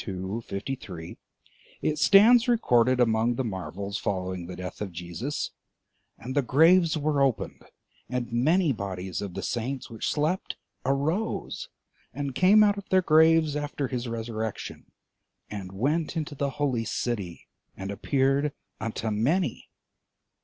52, 53, it stands recorded among the marvels following the death of Jesus: "And the graves were opened; and many bodies of the saints which slept arose, and came out of their graves after his resurrection, and went into the holy city, and appeared unto many."